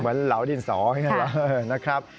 เหมือนเหลาดินสองนะครับ